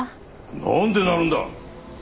なんでなるんだ！